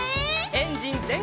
エンジンぜんかい！